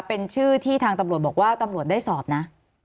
เป็นชื่อที่ทางตำรวจบอกว่าตำรวจได้สอบนะ